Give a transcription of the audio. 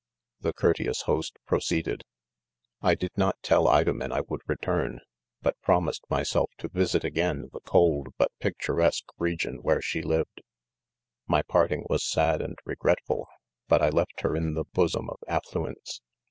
The courteous host proceeded:— " I did not tell Idomen I would return, hut promised my self to Tisit again the cold but picturesque re gion where she lived. My parting was sad and regretful, but I left her in the bosom of af fluence.